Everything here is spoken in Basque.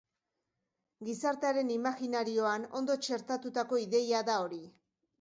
Gizartearen imajinarioan ondo txertatutako ideia da hori.